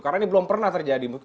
karena ini belum pernah terjadi